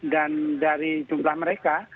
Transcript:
dan dari jumlah mereka